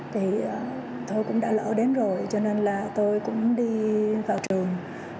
thì tôi cũng đã lỡ đến rồi cho nên là tôi cũng đi vào trường